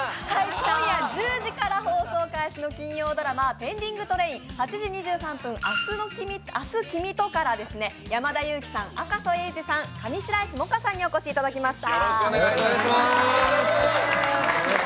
今夜１０時から放送開始の金曜ドラマ「ペンディングトレイン−８時２３分、明日君と」から山田裕貴さん、赤楚衛二さん上白石萌歌さんにお越しいただきました。